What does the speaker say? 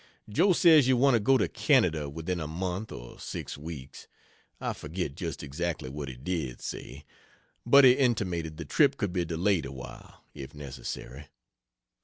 Jo says you want to go to Canada within a month or six weeks I forget just exactly what he did say; but he intimated the trip could be delayed a while, if necessary.